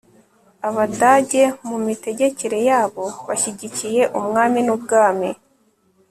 abadage, mu mitegekere yabo, bashyigikiye umwami n'ubwami